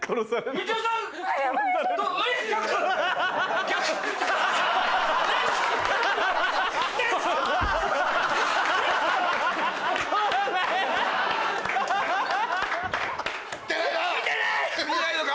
見てないのか？